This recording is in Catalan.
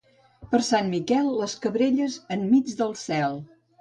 Per Sant Miquel, les cabrelles en mig del cel.